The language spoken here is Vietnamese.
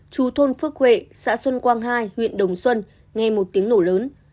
chú thôn phước huệ xã xuân quang hai huyện đồng xuân nghe một tiếng nổ lớn